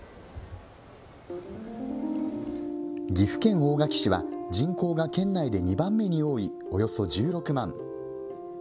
岐阜県大垣市は、人口が県内で２番目に多いおよそ１６万。